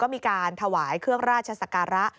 มีการถวายเครื่องราชศักระ